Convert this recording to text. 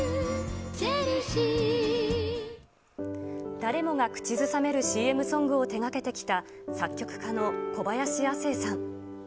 誰もが口ずさめるＣＭソングを手がけてきた、作曲家の小林亜星さん。